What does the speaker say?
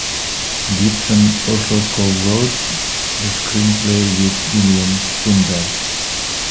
Gipson also cowrote the screenplay with William Tunberg.